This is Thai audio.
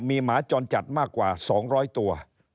มีหมาจรจัดมากกว่า๒๐๐ตัว